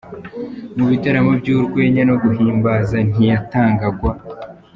Mu bitaramo by’urwenya no guhimbaza ntiyatangwaga.